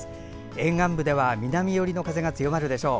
沿岸部では南寄りの風が強まるでしょう。